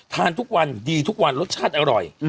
ทานทุกวันดีทุกวันรสชาติอร่อย